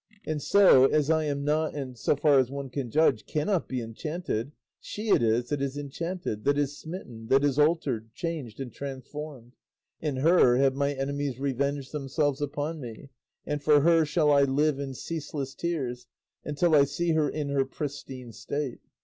And so, as I am not and, so far as one can judge, cannot be enchanted, she it is that is enchanted, that is smitten, that is altered, changed, and transformed; in her have my enemies revenged themselves upon me, and for her shall I live in ceaseless tears, until I see her in her pristine state.